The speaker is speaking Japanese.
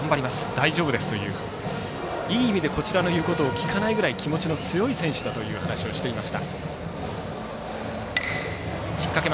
大丈夫ですといい意味でこちらの言うことを聞かないぐらい気持ちの強い選手ですという話をしていました。